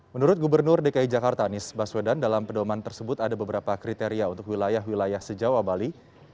menurut gubernur dki jakarta anies baswedan dalam pedoman tersebut ada beberapa kriteria untuk wilayah wilayah sejawa bali